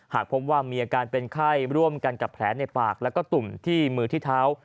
หากพบว่ามีอาการเป็นไข้ร่วมกันกับแผลในปากแล้วก็ตุ่มที่มือที่เท้า